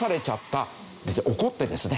怒ってですね